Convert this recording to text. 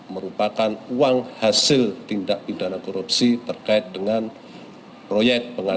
merupakan uang yang akan kita simpan